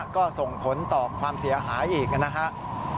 ก็ส่งผลต่อความเสียหายอีกนะครับ